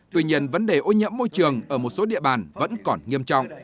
tuy nhiên vấn đề ô nhiễm môi trường ở một số địa bàn vẫn còn nghiêm trọng